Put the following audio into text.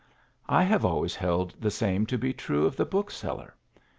I have always held the same to be true of the bookseller.